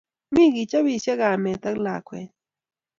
Mi kochopisiei kamet ak lakwenyi